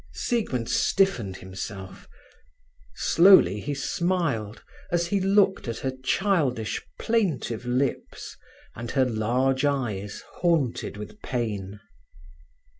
Siegmund stiffened himself; slowly he smiled, as he looked at her childish, plaintive lips, and her large eyes haunted with pain.